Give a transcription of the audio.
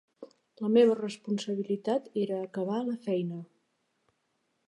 La meva responsabilitat era acabar la feina.